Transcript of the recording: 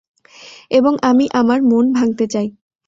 এবং আমি আমার মন ভাঙতে চাই।